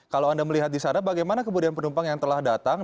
kalau anda melihat di sana bagaimana kemudian penumpang yang telah datang